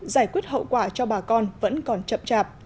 giải quyết hậu quả cho bà con vẫn còn chậm chạp